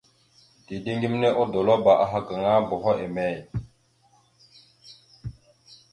Dideŋ geme odolabáaha gaŋa boho emey ?